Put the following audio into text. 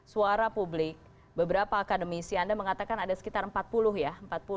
suara publik beberapa akademisi anda mengatakan ada sekitar empat puluh ya